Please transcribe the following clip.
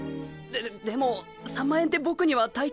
ででも３万円って僕には大金で。